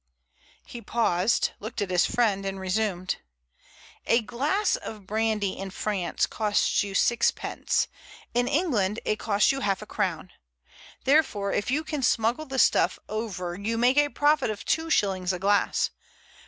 He paused, looked at his friend, and resumed: "A glass of brandy in France costs you sixpence; in England it costs you half a crown. Therefore, if you can smuggle the stuff over you make a profit of two shillings a glass.